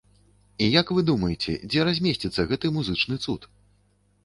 І як вы думаеце, дзе размесціцца гэты музычны цуд?